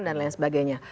dan lain sebagainya